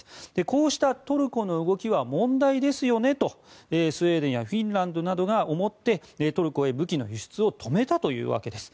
こうしたトルコの動きは問題ですよねとスウェーデンやフィンランドなどが思ってトルコへ武器の輸出を止めたというわけなんです。